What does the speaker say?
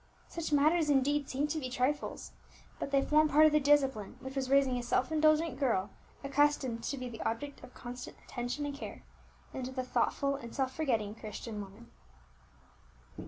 Such matters, indeed, seem to be trifles; but they formed part of the discipline which was raising a self indulgent girl, accustomed to be the object of constant attention and care, into the thoughtful and self forgetting Christian woman.